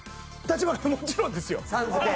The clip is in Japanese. もちろんですよ。